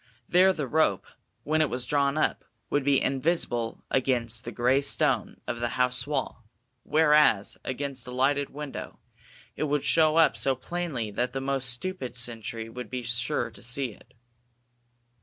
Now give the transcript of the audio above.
There the rope, when it was drawn up, would be invisible against the grey stone of the house wall, whereas, against a lighted window, it would show up so plainly that the most stupid sentry would be sure to see it.